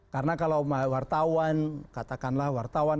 karena kalau wartawan katakanlah wartawan